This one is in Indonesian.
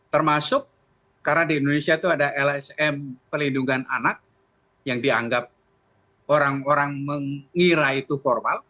termasuk karena di indonesia itu ada lsm pelindungan anak yang dianggap orang orang mengira itu formal